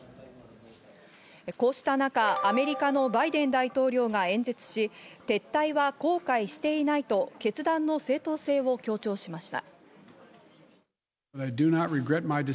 こうした中アメリカのバイデン大統領が演説し、撤退は後悔していないと決断の正当性を強調しました。